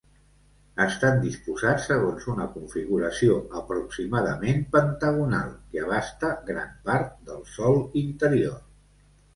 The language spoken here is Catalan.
Estan disposats segons una configuració aproximadament pentagonal, que abasta gran part del sòl interior.